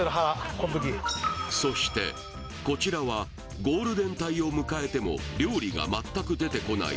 この時そしてこちらはゴールデン帯を迎えても料理が全く出てこない